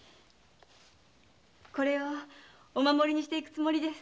これをお守りにしていくつもりです。